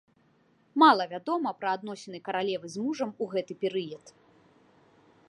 Мала вядома пра адносіны каралевы з мужам у гэты перыяд.